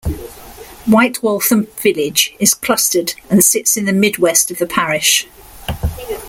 White Waltham village is clustered and sits in the mid-west of the parish.